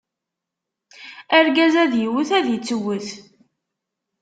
Argaz ad iwwet, ad ittuwwet.